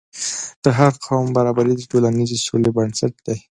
د هر قوم برابري د ټولنیزې سولې بنسټ دی.